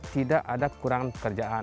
tidak ada kekurangan pekerjaan